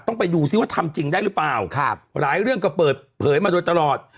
ต้องไปดูซิว่าทำจริงได้หรือเปล่าครับหลายเรื่องก็เปิดเผยมาโดยตลอด